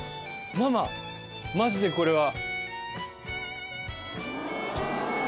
マママジでこれは。